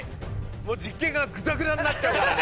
もう実験がグダグダになっちゃうからね。